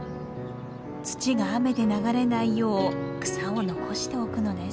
土が雨で流れないよう草を残しておくのです。